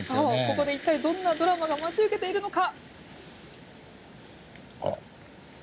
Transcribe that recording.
ここで一体どんなドラマが待ち受けているのか⁉あら高さ？